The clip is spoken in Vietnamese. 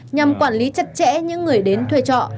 nhằm quản lý chặt chẽ những người đến thuê trọ